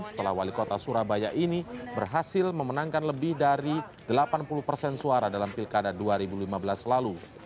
setelah wali kota surabaya ini berhasil memenangkan lebih dari delapan puluh persen suara dalam pilkada dua ribu lima belas lalu